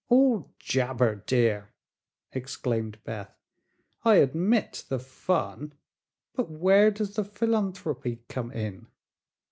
"All jabber, dear," exclaimed Beth. "I admit the fun, but where does the philanthropy come in?"